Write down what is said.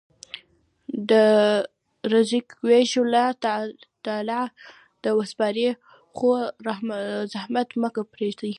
د رزق ویش الله تعالی ته وسپارئ، خو زحمت مه پرېږدئ.